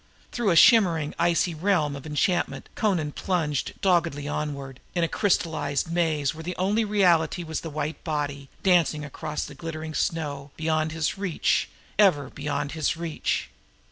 Through a shimmering icy realm of enchantment Amra plunged doggedly onward, in a crystalline maze where the only reality was the white body dancing across the glittering snow beyond his reach—ever beyond his reach.